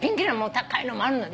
高いのもあるの。